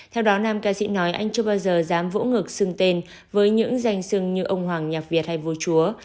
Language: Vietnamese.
theo đó nam ca sĩ nói anh chưa bao giờ dám vỗ ngược tên với những danh sưng như ông hoàng nhạc việt hay vua chúa